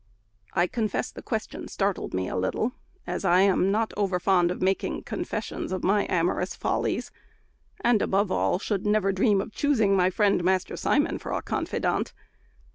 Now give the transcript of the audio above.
I confess the question startled me a little, as I am not over fond of making confessions of my amorous follies; and, above all, should never dream of choosing my friend Master Simon for a confidant.